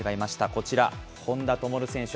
こちら、本多灯選手。